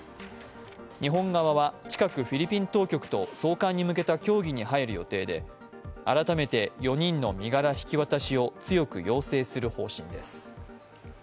日本側は、近くフィリピン当局と送還に向けた協議に入る予定で改めて４人の身柄引き渡しを強く要請する方針です。